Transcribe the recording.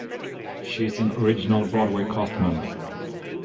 She is an original Broadway cast member.